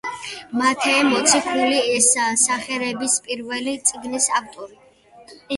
მათე მოციქული ესაა სახარების პირველი წიგნის ავტორი.